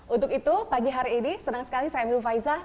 untuk itu pagi hari ini senang sekali saya emil faiza